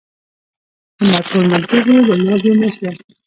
زما ټول ملګري له لوږې مړه شول.